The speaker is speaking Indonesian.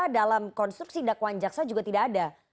dalam konstruksi dakwaan jaksa juga tidak ada